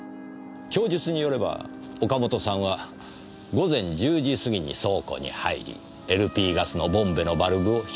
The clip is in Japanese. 供述によれば岡本さんは午前１０時過ぎに倉庫に入りＬＰガスのボンベのバルブを開いた。